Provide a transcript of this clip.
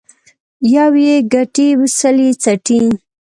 يو يې گټي ، سل يې څټي.